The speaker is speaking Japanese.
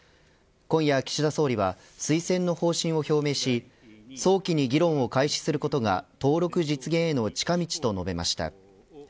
今夜、岸田総理は推薦の方針を表明し早期に議論を開始することが登録実現への近道と述べました。